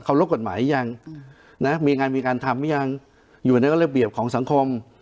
รบกฎหมายยังนะมีงานมีการทำหรือยังอยู่ในระเบียบของสังคม